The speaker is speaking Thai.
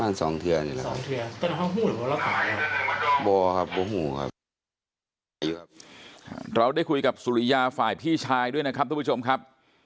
เราได้คุยกับสุริยาฝ่ายพี่ชายด้วยนะครับทุกผู้ชมครับ